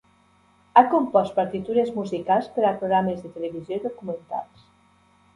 Ha compost partitures musicals per a programes de televisió i documentals.